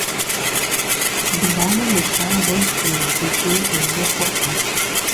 Бланэм и лъагъуи и убыди зы хъуркъым.